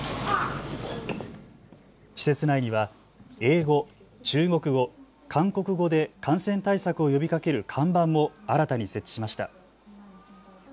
施設内には英語、中国語、韓国語で感染対策を呼びかける看板も新たに設置しました。